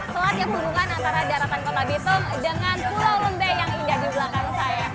selat yang berhubungan antara daratan kota bitung dengan pulau lembeh yang indah di belakang saya